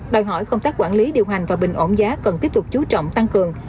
đòi hỏi công tác quản lý điều hành và bình ổn giá cần tiếp tục chú trọng tăng cường